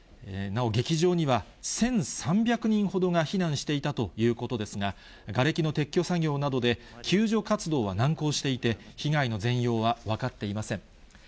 なお、劇場には１３００人ほどが避難していたということですが、がれきの撤去作業などで、救助活動は難航していて、被害の全容は分かっていません。